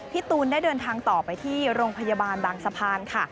ตูนได้เดินทางต่อไปที่โรงพยาบาลบางสะพานค่ะ